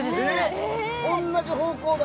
同じ方向だ。